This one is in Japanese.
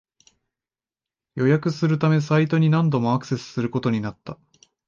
予約するためサイトに何度もアクセスすることになった